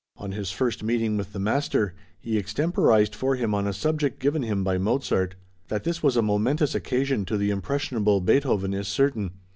On his first meeting with the master he extemporized for him on a subject given him by Mozart. That this was a momentous occasion to the impressionable Beethoven is certain.